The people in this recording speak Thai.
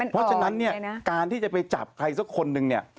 เพราะฉะนั้นเนี่ยการที่จะไปจับใครสักคนนึงเนี่ย